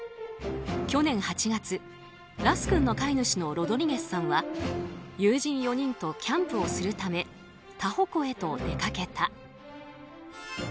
去年８月、ラス君の飼い主のロドリゲスさんは友人４人とキャンプをするためタホ湖へと出かけた。